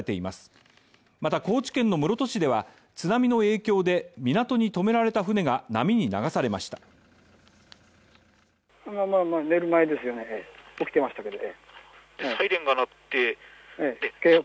また高知県の室戸市では津波の影響で、港にとめられた船が波に流されました。